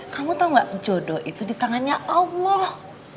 kamu tau gak jodoh itu di tangannya allah